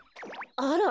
あら？